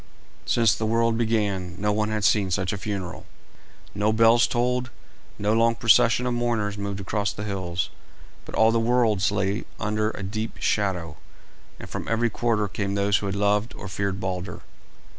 Since the world began no one had seen such a funeral. No bells tolled, no long procession of mourners moved across the hills, but all the worlds lay under a deep shadow, and from every quarter came those who had loved or feared Balder.